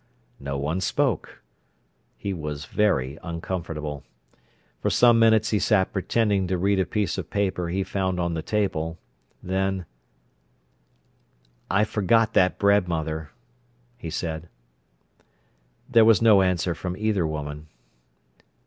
No one spoke. He was very uncomfortable. For some minutes he sat pretending to read a piece of paper he found on the table. Then— "I forgot that bread, mother," he said. There was no answer from either woman.